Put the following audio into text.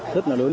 rất là lớn